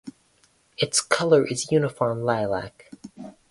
Its colour is uniform lilac.